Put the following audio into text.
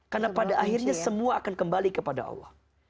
karena pada akhirnya semua akan kembali kepada allah